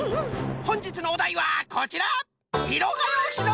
ほんじつのおだいはこちら！